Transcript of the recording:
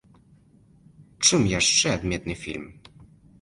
Чым яшчэ адметны фільм?